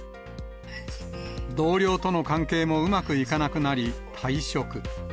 同僚との関係もうまくいかなくなり、退職。